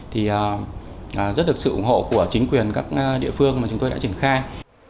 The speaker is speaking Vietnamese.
thì rất được sự ủng hộ của chính quyền các địa phương mà chúng tôi đã triển khai